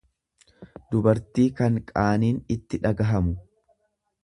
dubartii kan qaaniin itti dhagahamu.